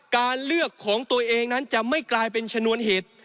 การเลือกของตัวเองนั้นจะไม่กลายเป็นชนวนเหตุ